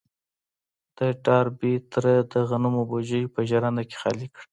د ډاربي تره د غنمو بوجۍ په ژرنده کې خالي کړه.